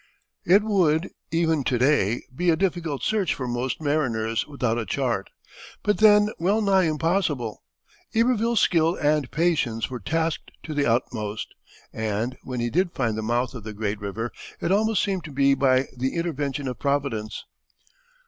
It would, even to day, be a difficult search for most mariners without a chart, but then well nigh impossible. Iberville's skill and patience were tasked to the utmost, and, when he did find the mouth of the great river, it almost seemed to be by the intervention of Providence.